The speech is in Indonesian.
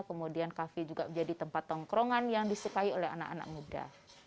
kemudian kafe juga menjadi tempat tongkrongan yang disukai oleh anak anak muda